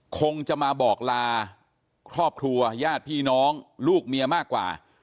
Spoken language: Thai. คงจะมาบอกลาครอบครัวญาติพี่น้องลูกเมียมากกว่า